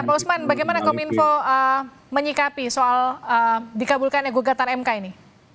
pak usman bagaimana kominfo menyikapi soal dikabulkan gugatan mk ini